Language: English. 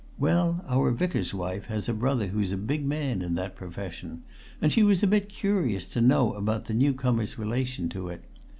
Well, our Vicar's wife has a brother who's a big man in that profession, and she was a bit curious to know about the new comer's relation to it.